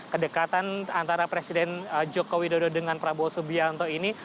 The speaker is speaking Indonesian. kedekatan antara presiden joko widodo dengan prabowo subianto ini